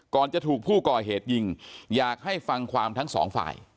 จะถูกผู้ก่อเหตุยิงอยากให้ฟังความทั้งสองฝ่าย